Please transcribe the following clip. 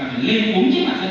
là phải lên uống chiếc mặt dân